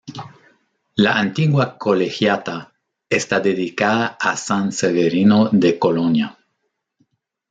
La antigua colegiata está dedicada a san Severino de Colonia.